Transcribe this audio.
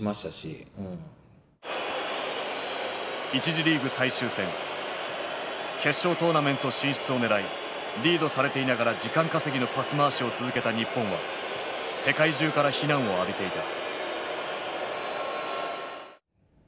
１次リーグ最終戦決勝トーナメント進出をねらいリードされていながら時間稼ぎのパス回しを続けた日本は世界中から非難を浴びていた。